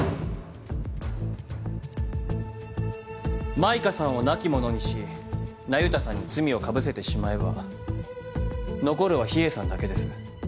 舞歌さんを亡き者にし那由他さんに罪をかぶせてしまえば残るは秘影さんだけです。